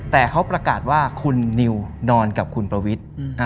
แต่เขาประกาศว่าคุณนิวนอนกับคุณประวิทย์